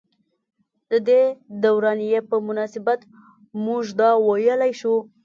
ددې دورانيې پۀ مناسبت مونږدا وئيلی شو ۔